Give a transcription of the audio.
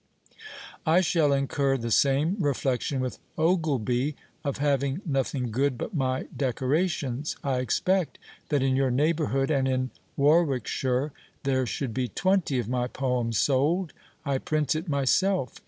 I shall incur the same reflection with Ogilby, of having nothing good but my decorations. I expect that in your neighbourhood and in Warwickshire there should be twenty of my poems sold. I print it myself.